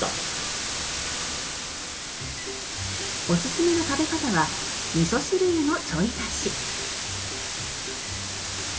おすすめの食べ方はみそ汁へのちょい足し。